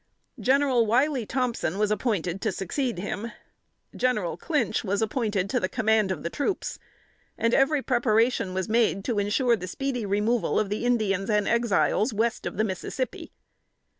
General Wiley Thompson was appointed to succeed him. General Clinch was appointed to the command of the troops, and every preparation was made to insure the speedy removal of the Indians and Exiles west of the Mississippi.